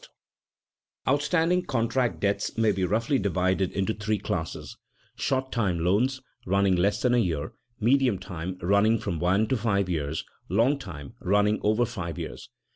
[Sidenote: Great effects of money changes] Outstanding contract debts may be roughly divided into three classes: short time loans, running less than a year; medium time, running from one to five years; long time, running over five years.